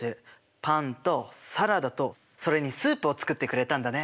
パンとサラダとそれにスープを作ってくれたんだね。